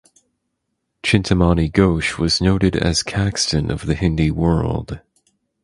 Chintamani Ghosh was noted as Caxton of the Hindi world.